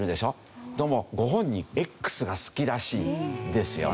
どうもご本人「Ｘ」が好きらしいんですよね。